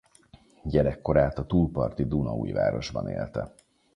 Gyerekkorát a túlparti Dunaújvárosban élte.